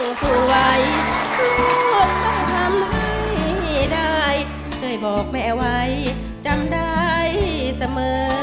ลูกข้างทำไม่ได้เคยบอกแม่วัยจำได้เสมอ